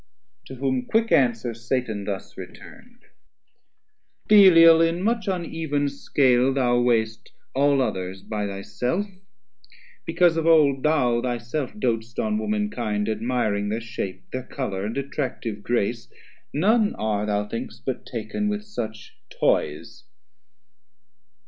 To whom quick answer Satan thus return'd Belial in much uneven scale thou weigh'st All others by thy self; because of old Thou thy self doat'st on womankind, admiring Thir shape, thir colour, and attractive grace, None are, thou think'st, but taken with such toys.